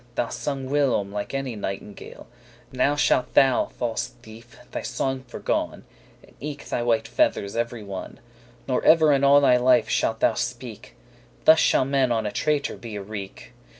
Thou sung whilom* like any nightingale, *once on a time Now shalt thou, false thief, thy song foregon,* *lose And eke thy white feathers every one, Nor ever in all thy life shalt thou speak; Thus shall men on a traitor be awreak.